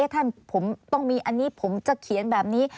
ท่านผมต้องมีอันนี้ผมจะเขียนแบบนี้